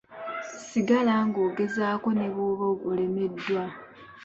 Sigala ng'ogezaako ne bwoba olemeddwa.